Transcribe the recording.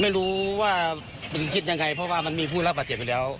ไม่รู้ว่ามันคิดอย่างไรเพราะว่ามันมีผู้หญิงราบบาดเจ็บอยู่แล้ว